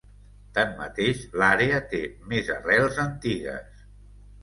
Tanmateix, l'àrea té més arrels antigues.